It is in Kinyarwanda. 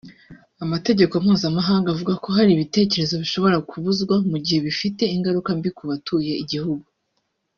Amategeko mpuzamahanga avuga ko hari ibitekerezo bishobora kubuzwa mu gihe bifite ingaruka mbi ku batuye igihugu